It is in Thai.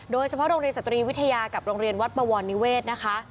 โดยเฉพาะโรงเรียนสตรีวิทยากับโรงเรียนวัดบวรนิเวศนะคะ